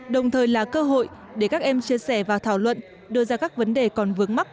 đồng thời là cơ hội để các em chia sẻ và thảo luận đưa ra các vấn đề còn vướng mắt